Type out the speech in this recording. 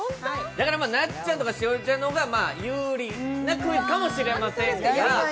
なっちゃんとか栞里ちゃんの方が有利なクイズかもしれませんが。